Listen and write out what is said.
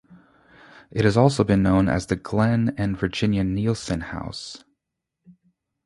It has also been known as the Glen and Virginia Nielson House.